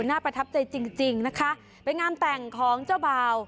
น่าประทับใจจริงนะคะเป็นงานแต่งของเจ้าเบา